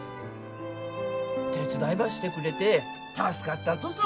手伝いばしてくれて助かったとぞ。